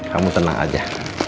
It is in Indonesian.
kamu tenang aja